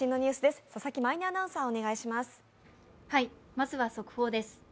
まずは速報です。